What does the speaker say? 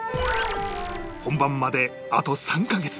本番まであと３カ月